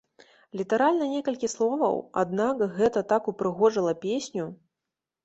Літаральна некалькі словаў, аднак гэта так упрыгожыла песню!